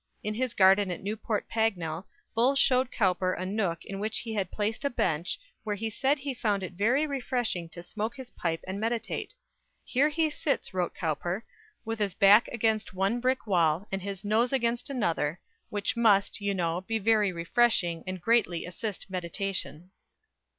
In his garden at Newport Pagnell, Bull showed Cowper a nook in which he had placed a bench, where he said he found it very refreshing to smoke his pipe and meditate. "Here he sits," wrote Cowper, "with his back against one brick wall, and his nose against another, which must, you know, be very refreshing, and greatly assist meditation."